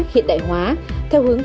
hiện đại hóa theo hướng